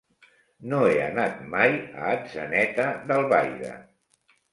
No he anat mai a Atzeneta d'Albaida.